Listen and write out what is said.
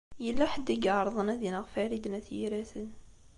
Yella ḥedd i iɛeṛḍen ad ineɣ Farid n At Yiraten.